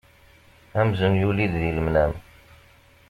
Amzun yuli-d di lemnam.